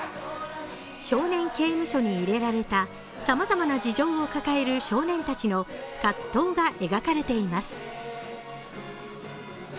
少年刑務所に入れられたさまざまな事情を抱える少年たちの葛藤が描かれています。